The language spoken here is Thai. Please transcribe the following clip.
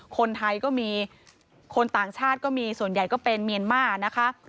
คนไทยก็มีคนต่างชาติก็มีส่วนใหญ่ก็เป็นเมียนมานะคะ